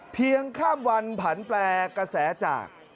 ข้ามวันผันแปลกระแสจาก